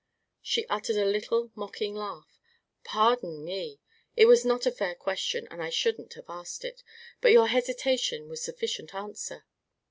She uttered a little, mocking laugh. "Pardon me. It was not a fair question, and I shouldn't have asked it; but your hesitation was sufficient answer."